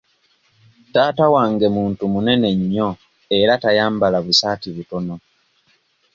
Taata wange muntu munene nnyo era tayambala busaati butono.